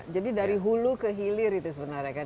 jadi dari hulu ke hilir itu sebenarnya kan